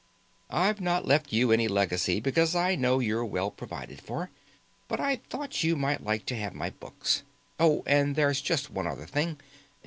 I've not left you any legacy, because I know you're well provided for, but I thought you might like to have my books. Oh, and there's just one other thing.